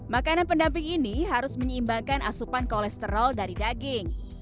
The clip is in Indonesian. makanan pendamping ini harus menyeimbangkan asupan kolesterol dari daging